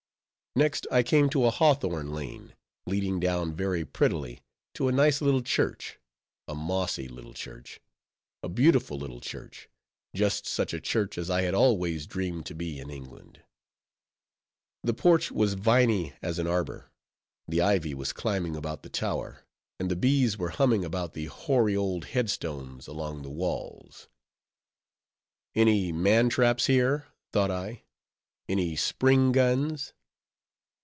Next, I came to a hawthorn lane, leading down very prettily to a nice little church; a mossy little church; a beautiful little church; just such a church as I had always dreamed to be in England. The porch was viny as an arbor; the ivy was climbing about the tower; and the bees were humming about the hoary old head stones along the walls. Any man traps here? thought I—any spring guns?